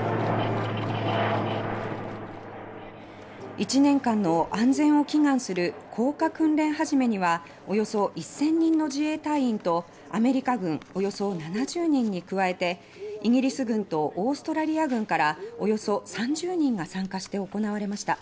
１年間の安全を祈願する「降下訓練始め」にはおよそ１０００人の自衛隊員とアメリカ軍およそ７０人に加えてイギリス軍とオーストラリア軍からおよそ３０人が参加して行われました。